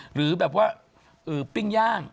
หรือแบบว่าปิ้งย่าง